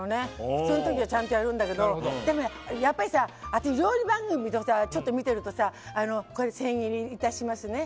普通の時はちゃんとやるんだけどでも、やっぱり私料理番組を見てると千切りにいたしますね